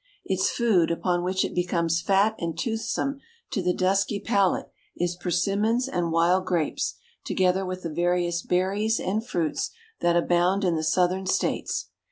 "Its food, upon which it becomes fat and toothsome to the dusky palate, is persimmons and wild grapes, together with the various berries and fruits that abound in the Southern states.